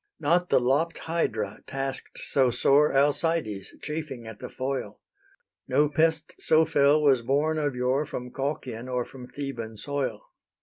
Not the lopp'd Hydra task'd so sore Alcides, chafing at the foil: No pest so fell was born of yore From Colchian or from Theban soil.